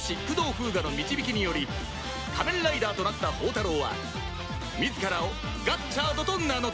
風雅の導きにより仮面ライダーとなった宝太郎は自らをガッチャードと名乗った